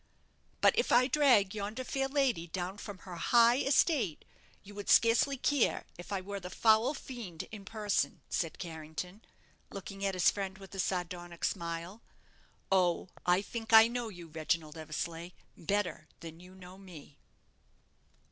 "But if I drag yonder fair lady down from her high, estate, you would scarcely care if I were the foul fiend in person," said Carrington, looking at his friend with a sardonic smile. "Oh, I think I know you, Reginald Eversleigh, better than you know me."